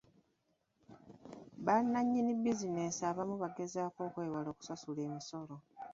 Bannanyini bizinensi abamu bagezaako okwewala okusasula emisolo.